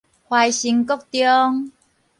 懷生國中